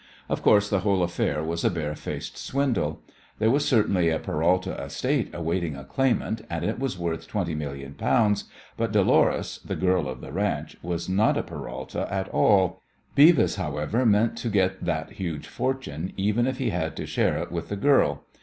Of course, the whole affair was a barefaced swindle. There was certainly a Peralta estate awaiting a claimant and it was worth twenty million pounds, but Dolores, the girl of the ranch, was not a Peralta at all. Beavis, however, meant to get that huge fortune, even if he had to share it with the girl.